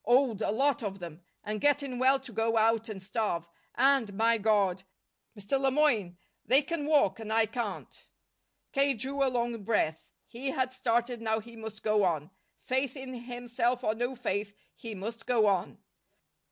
Old, a lot of them, and gettin' well to go out and starve, and My God! Mr. Le Moyne, they can walk, and I can't." K. drew a long breath. He had started, and now he must go on. Faith in himself or no faith, he must go on.